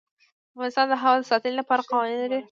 افغانستان د هوا د ساتنې لپاره قوانین لري.